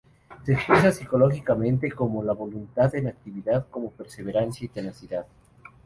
Se expresa psicológicamente como la voluntad en actividad, como perseverancia y tenacidad.